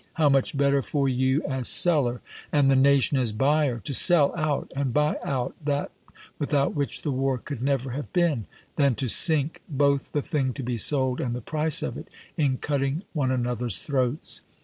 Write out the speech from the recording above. How much better for you as seller, and the nation as buyer, to sell out and buy out that without which the war could never have been, than to sink both the thing to be sold and the price of it in cut ting one another's throats.